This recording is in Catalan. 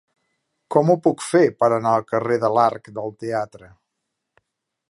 Com ho puc fer per anar al carrer de l'Arc del Teatre?